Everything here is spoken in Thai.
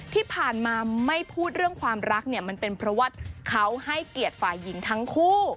ที่ผ่านมาไม่พูดเรื่องความรักเนี่ยมันเป็นเพราะว่าเขาให้เกียรติฝ่ายหญิงทั้งคู่